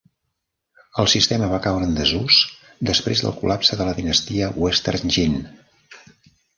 El sistema va caure en desús després del col·lapse de la dinastia Western Jin.